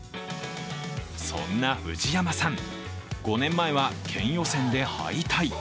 そんな藤山さん、５年前は県予選で敗退。